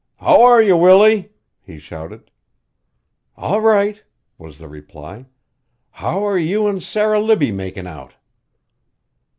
"How are you, Willie?" he shouted. "All right," was the reply. "How are you an' Sarah Libbie makin' out?"